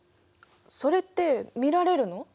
それって見られるの？